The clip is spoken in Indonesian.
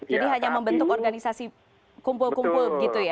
jadi hanya membentuk organisasi kumpul kumpul gitu ya